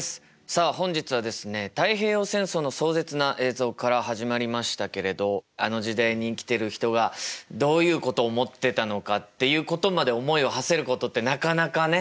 さあ本日はですね太平洋戦争の壮絶な映像から始まりましたけれどあの時代に生きてる人がどういうことを思ってたのかっていうことまで思いをはせることってなかなかね。